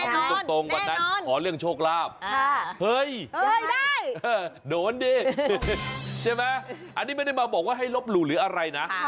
แน่นอนแน่นอนขอเรื่องโชคลาภโดนดิใช่ไหมอันนี้ไม่ได้มาบอกว่าให้ลบหรูหรืออะไรนะ